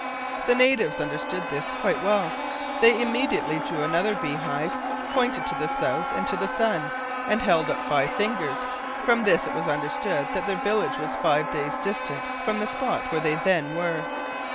The natives understood this quite well. They immediately drew another bee hive, pointed to the south and to the sun, and held up five fingers. From this it was understood that their village was five days distant from the spot where they then were.